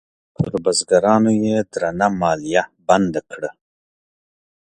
پر بزګرانو یې درنه مالیه بنده کړه.